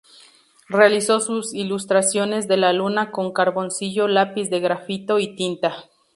Realizó sus ilustraciones de la Luna con carboncillo, lápiz de grafito, y tinta.